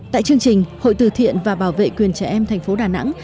tại chương trình hội từ thiện và bảo vệ quyền trẻ em thành phố đà nẵng